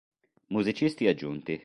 Musicisti aggiunti